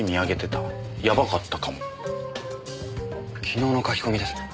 昨日の書き込みですね。